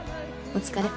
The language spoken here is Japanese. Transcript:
お疲れ。